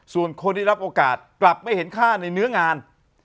ส่วนคนที่รับโอกาสกลับไม่เห็นค่าในเนื้องาน